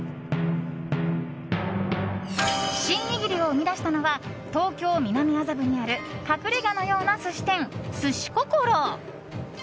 シン握りを生み出したのは東京・南麻布にある隠れ家のような寿司店、鮨心。